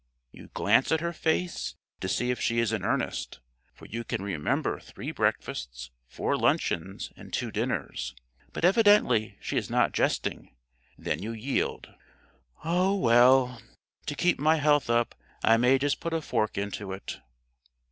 You glance at her face to see if she is in earnest, for you can remember three breakfasts, four luncheons and two dinners; but evidently she is not jesting. Then you yield. "Oh, well, to keep my health up I may just put a fork into it."